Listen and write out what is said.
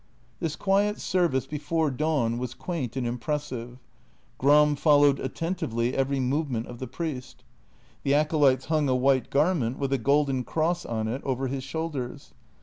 This quiet service before dawn was quaint and impressive; Gram followed attentively every movement of the priest. The acolytes hung a white garment, with a golden cross on it, over his shoulders.